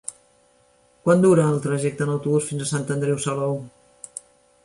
Quant dura el trajecte en autobús fins a Sant Andreu Salou?